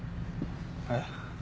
えっ？